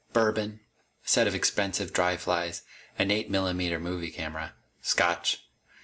Bourbon. A set of expensive dry flies. An eight millimeter movie camera. Scotch.